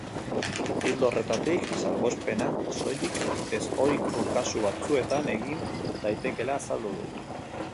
Ildo horretatik, salbuespena soilik ezohiko kasu batzuetan egin daitekeela azaldu du.